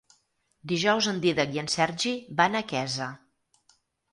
Dijous en Dídac i en Sergi van a Quesa.